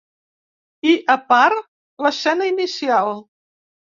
I, a part, l'escena inicial.